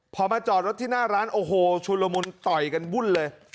พอมาจอดรถที่หน้าร้านโอ้โหชุนละมุนต่อยกันวุ่นเลย